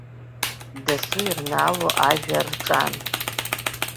Дасу ирнаало ажәа рҿан.